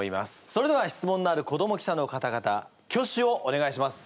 それでは質問のある子ども記者の方々挙手をお願いします。